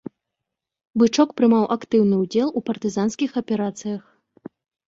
Бычок прымаў актыўны ўдзел у партызанскіх аперацыях.